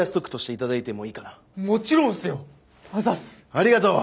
ありがとう。